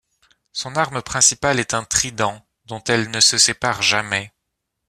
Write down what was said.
Son arme principale est un trident, dont elle ne se sépare jamais.